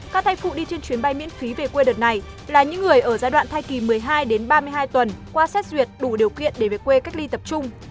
các thai phụ đi trên chuyến bay miễn phí về quê đợt này là những người ở giai đoạn thai kỳ một mươi hai đến ba mươi hai tuần qua xét duyệt đủ điều kiện để về quê cách ly tập trung